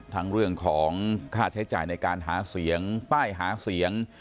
เรื่องของค่าใช้จ่ายในการหาเสียงป้ายหาเสียง